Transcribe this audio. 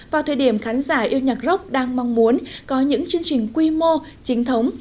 vào thời điểm khán giả yêu nhạc rock đang mong muốn có những chương trình quy mô chính thống